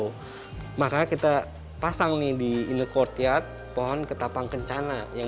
hijau maka kita pasang nih di in the courtyard pohon ketapang kencana yang